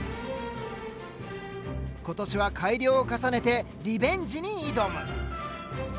今年は改良を重ねてリベンジに挑む！